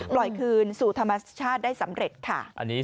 ปล่อยคืนสู่ธรรมชาติได้สำเร็จค่ะ